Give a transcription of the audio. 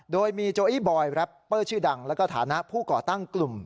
โดยมีโจอี้บอยแรปเปอร์ชื่อดังแล้วก็ฐานะผู้ก่อตั้งกลุ่ม